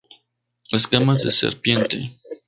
Escamas de serpiente